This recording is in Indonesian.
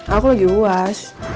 aku lagi uas